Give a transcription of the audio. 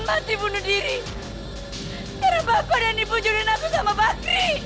darman mati bunuh diri karena bapak dan ibu julian aku sama bakri